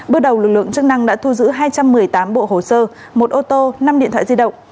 bước đầu lực lượng chức năng đã thu giữ hai trăm một mươi tám bộ hồ sơ một ô tô năm điện thoại di động